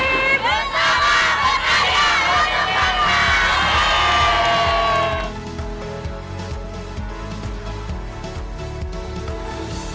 bersama pekaryang bersama kampung kampung